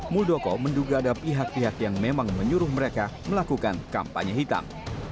muldoko menduga ada pihak pihak yang memang menyuruh mereka melakukan kampanye hitam